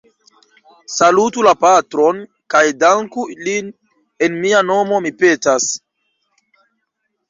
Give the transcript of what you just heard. Salutu la patron kaj danku lin en mia nomo, mi petas.